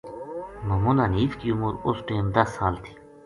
محمد حنیف کی عمر اس ٹیم دس سال تھی